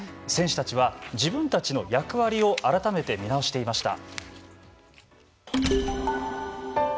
選手たちは自分たちの役割を改めて見直していました。